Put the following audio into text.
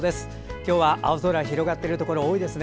今日は青空広がっているところ多いですね。